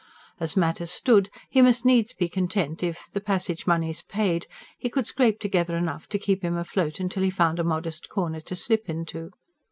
As matters stood, he must needs be content if, the passage moneys paid, he could scrape together enough to keep him afloat till he found a modest corner to slip into.